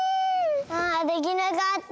あできなかった。